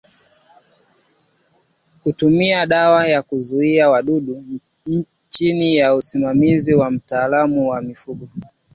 Kutumia madawa ya kuzuia wadudu chini ya usimamizi wa mtaalamu wa mifugo